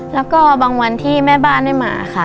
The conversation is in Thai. แล้วก็บางวันที่แม่บ้านได้มาค่ะ